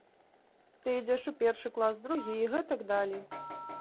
Ты ідзеш у першы клас, другі і гэтак далей.